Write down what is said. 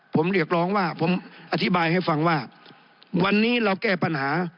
ผมเรียกร้องว่าผมอธิบายให้ฟังว่าวันนี้เราแก้ปัญหา